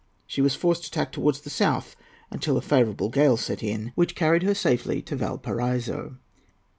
She was forced to tack towards the south until a favourable gale set in, which carried her safely to Valparaiso.